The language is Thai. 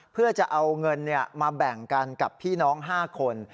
เพื่อจะเอาเงินมาแบ่งกันกับพี่น้อง๕คน